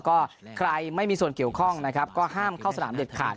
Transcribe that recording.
ก็ใครไม่มีส่วนเกี่ยวข้องนะครับก็ห้ามเข้าสนามเด็ดขาด